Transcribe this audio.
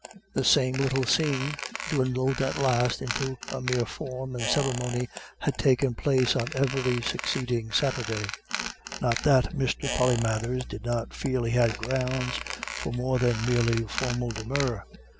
The same little scene, dwindled at last into a mere form and ceremony, had taken place on every succeeding Saturday. Not that Mr. Polymathers did not feel he had grounds for more than merely formal demur.